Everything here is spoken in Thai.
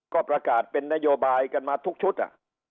ก็ประกาศเป็นนโยบายกันมาทุกชุด